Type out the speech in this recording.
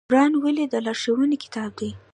قرآن ولې د لارښوونې کتاب دی؟